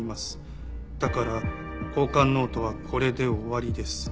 「だからこうかんノートはこれで終りです」